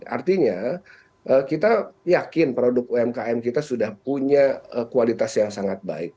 artinya kita yakin produk umkm kita sudah punya kualitas yang sangat baik